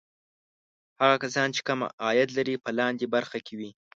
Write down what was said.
هغه کسان چې کم عاید لري په لاندې برخه کې وي.